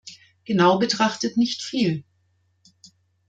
Genau betrachtet nicht viel.